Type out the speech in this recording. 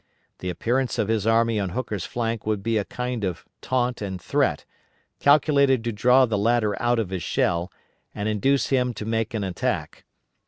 * The appearance of his army on Hooker's flank would be a kind of taunt and threat, calculated to draw the latter out of his shell, and induce him to make an attack.